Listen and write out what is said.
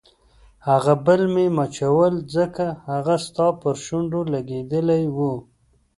هغه به مې مچول ځکه هغه ستا پر شونډو لګېدلي وو.